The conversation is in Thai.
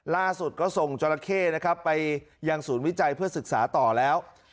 ล่าสุดก็ส่งจราเข้นะครับไปยังศูนย์วิจัยเพื่อศึกษาต่อแล้ว